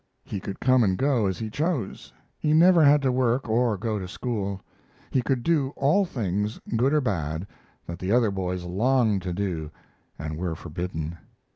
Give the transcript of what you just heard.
He could came and go as he chose; he never had to work or go to school; he could do all things, good or bad, that the other boys longed to do and were forbidden.